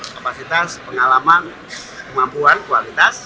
kapasitas pengalaman kemampuan kualitas